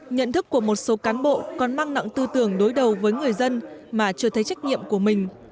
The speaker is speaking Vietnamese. nhận thức của một số cán bộ còn mang nặng tư tưởng đối đầu với người dân mà chưa thấy trách nhiệm của mình